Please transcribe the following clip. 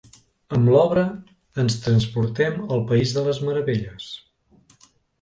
Amb l'obra ens transportem al País de les Meravelles.